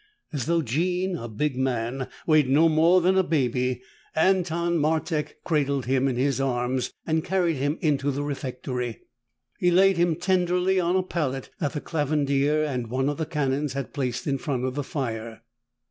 As though Jean, a big man, weighed no more than a baby, Anton Martek cradled him in his arms and carried him into the refectory. He laid him tenderly on a pallet that the Clavandier and one of the Canons had placed in front of the fire.